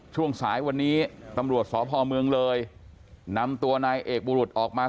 ช่วงสายวันนี้ตำรวจสพเมืองเลยนำตัวนายเอกบุรุษออกมา